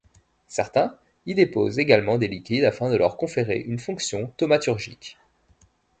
Certains y déposent également des liquides afin de leur conférer une fonction thaumaturgique.